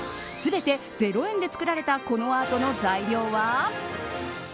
全て０円で作られたこのアートの材料は。